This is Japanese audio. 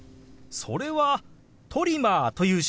それは「トリマー」という手話ですよ。